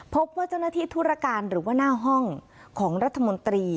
พบว่าเจ้าหน้าที่ธุรการหรือว่าหน้าห้องของรัฐมนตรี